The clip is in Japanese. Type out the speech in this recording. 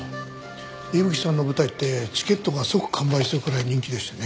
伊吹さんの舞台ってチケットが即完売するくらい人気でしてね。